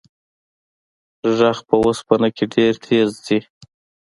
غږ په اوسپنه کې ډېر تېز ځي.